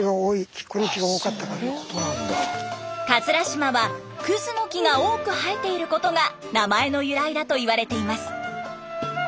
島はクズの木が多く生えていることが名前の由来だといわれています。